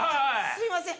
すいません